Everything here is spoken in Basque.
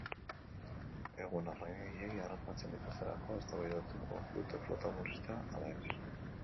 Egun arrain gehiegi harrapatzen dituztelako eztabaidatuko dute flota murriztea ala ez.